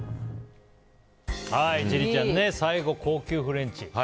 千里ちゃん、最後高級フレンチ。